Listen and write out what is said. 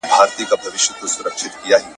• د نورو هغې نيمه د انا دا يوه نيمه.